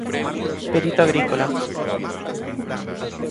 Perito agrícola.